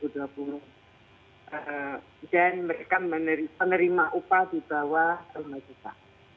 dan mereka menerima upah di bawah rp lima juta